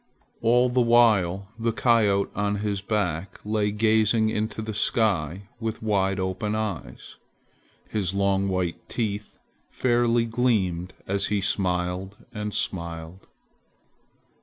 All the while the coyote on his back lay gazing into the sky with wide open eyes. His long white teeth fairly gleamed as he smiled and smiled.